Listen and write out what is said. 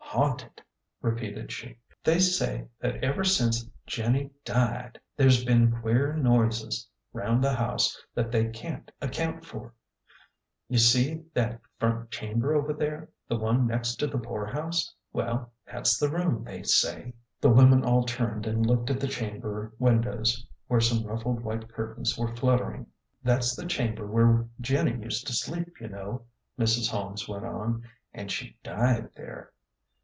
" Haunted!" repeated she. " They say that ever since Jenny died there's been queer nois.es 'round the house that they can't account for. You see that front chamber over there, the one next to the poor house ; well, that's the room, they say." The women all turned and looked at the chamber win dows, where some ruffled white curtains were fluttering. "That's the chamber where Jenny used to sleep, you know," Mrs. Holmes went on ;" an' she died there.